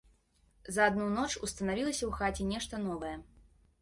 За адну ноч устанавілася ў хаце нешта новае.